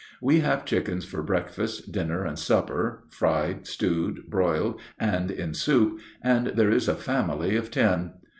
We have chicken for breakfast, dinner, and supper, fried, stewed, broiled, and in soup, and there is a family of ten.